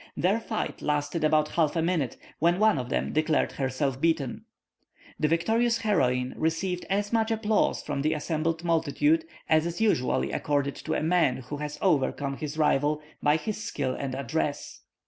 Their fight lasted about half a minute, when one of them declared herself beaten. The victorious heroine received as much applause from the assembled multitude as is usually accorded to a man who has overcome his rival by his skill and address."